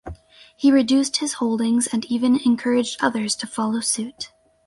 He reduced his holdings and even encouraged others to follow suit.